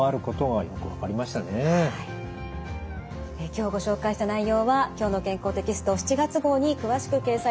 今日ご紹介した内容は「きょうの健康」テキスト７月号に詳しく掲載されています。